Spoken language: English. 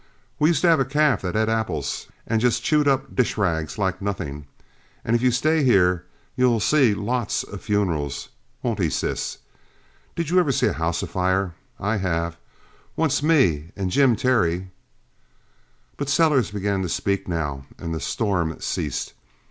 We used to have a calf that et apples and just chawed up dishrags like nothing, and if you stay here you'll see lots of funerals won't he, Sis! Did you ever see a house afire? I have! Once me and Jim Terry " But Sellers began to speak now, and the storm ceased.